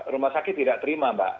rumah sakit tidak terima mbak